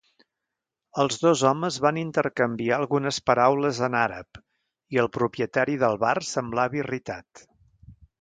Els dos homes van intercanviar algunes paraules en àrab, i el propietari del bar semblava irritat.